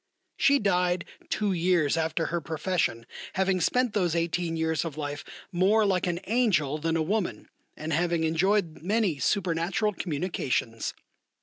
She died two years after her profession, having spent those eighteen years of life more like an angel than a woman, and having enjoyed many supernatural communications.